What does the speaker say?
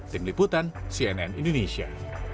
tim liputan cnn indonesia